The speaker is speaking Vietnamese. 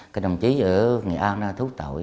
cái đồng chí ở nghị an thú tội